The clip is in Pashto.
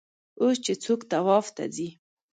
اوس چې څوک طواف ته ځي.